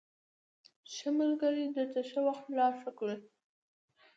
ښه ملگري درته ښه وخت لا ښه کوي